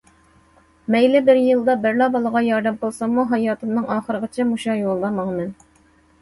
مەيلى بىر يىلدا بىرلا بالىغا ياردەم قىلساممۇ، ھاياتىمنىڭ ئاخىرىغىچە مۇشۇ يولدا ماڭىمەن.